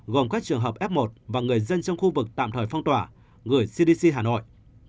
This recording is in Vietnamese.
gồm các trường hợp f một và người dân trong khu vực tạm thời phong tỏa gửi cdc hà nội